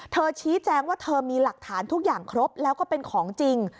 ชี้แจงว่าเธอมีหลักฐานทุกอย่างครบแล้วก็เป็นของจริง